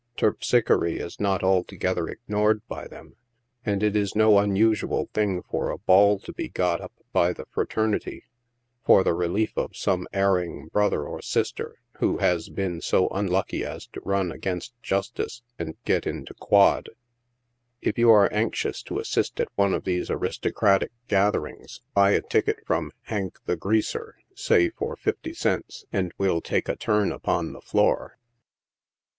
Terpsichore is not altogether ig nored by them, and it is no unusual thing for a bail to be got up by the fraternity, for the relief of some erring brother or sister, who has been so unlucky as to run against justice, and get into " quod." If you are anxious to assist at one of these aristocratic gatherings, buy a ticket from " Hank, the Greaser," say for fifty cents, and we'll take a turn upon the floor.